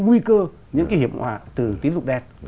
nguy cơ những cái hiểm họa từ tín dụng đen